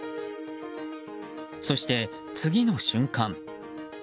そして次の瞬間